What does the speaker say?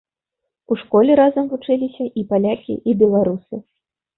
У школе разам вучыліся і палякі, і беларусы.